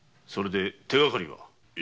それで手がかりは？